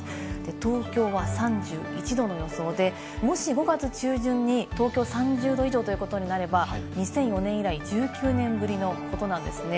東京は３１度の予想で、もし５月中旬に東京３０度以上となれば、２００４年以来１９年ぶりのことなんですね。